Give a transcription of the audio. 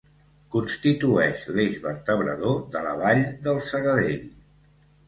Constitueix l'eix vertebrador de la Vall del Segadell.